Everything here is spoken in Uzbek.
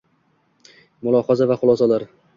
Mulohaza va xulosalar